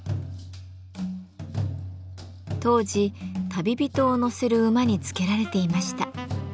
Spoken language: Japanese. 当時旅人を乗せる馬につけられていました。